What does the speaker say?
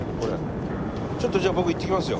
ちょっとじゃあ僕行ってきますよ。